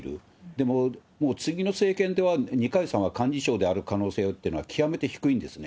でも、もう次の政権では二階さんは幹事長である可能性っていうのは極めて低いんですね。